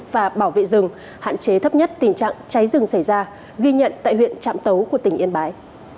và bảo vệ rừng hạn chế thấp nhất tình trạng cháy rừng xảy ra ghi nhận tại huyện trạm tấu của tỉnh yên bái